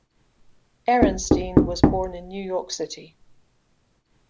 Ehrenstein was born in New York City.